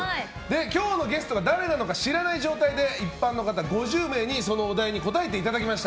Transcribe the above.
今日のゲストが誰なのか知らない状態で一般の方５０名にそのお題に答えていただきました。